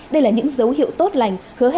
đây là những dấu hiệu tốt lành